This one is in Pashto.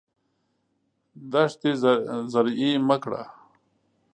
دښتې زرعي مه کړه.